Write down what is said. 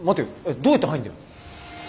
どうやって入んだよ。